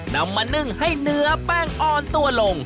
นำมานึ่งให้เนื้อแป้งอ่อนตัวลง